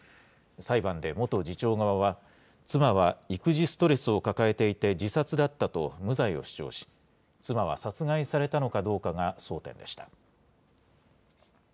裁判で元次長側は、妻は育児ストレスを抱えていて、自殺だったと無罪を主張し、妻は殺害されたのかどうかが争点でした。